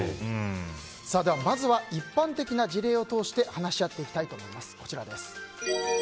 まずは、一般的な事例を通して話し合っていきたいと思います。